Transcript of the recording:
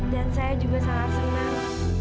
dan saya juga sangat senang